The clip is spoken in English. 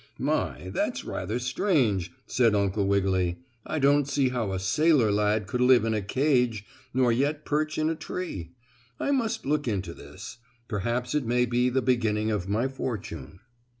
"My, that's rather strange," said Uncle Wiggily. "I don't see how a sailor lad could live in a cage, nor yet perch in a tree. I must look into this. Perhaps it may be the beginning of my fortune."